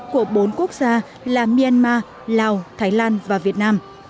của bốn quốc gia là myanmar lào thái lan và việt nam